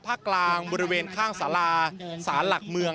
ภาคกลางบริเวณข้างสาราสารหลักเมือง